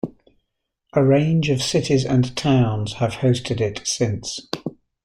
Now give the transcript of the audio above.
A range of cities and towns have hosted it since.